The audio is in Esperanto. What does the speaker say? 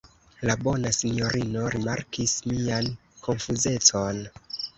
La bona sinjorino rimarkis mian konfuzecon.